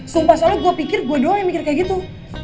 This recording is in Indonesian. sumpah soalnya gue pikir gue doang yang mikir kayak gitu